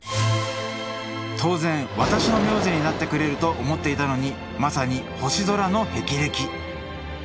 当然私の名字になってくれると思っていたのにまさに星空のへきれき。